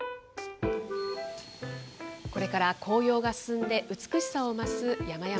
これから紅葉が進んで、美しさを増す山々。